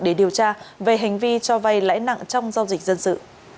để điều tra về hành vi cho vay lãi nặng trong giao dịch dân sự